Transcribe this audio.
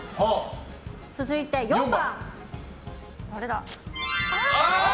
続いて、４番。